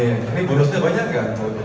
ini bonusnya banyak gak